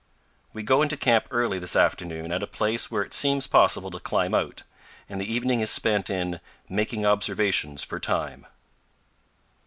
We go into camp early this afternoon at a place where it seems possible to climb out, and the evening is spent in "making observations for time."